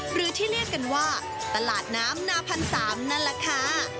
หรือที่เรียกกันว่าตลาดน้ำนาพันสามนั่นแหละค่ะ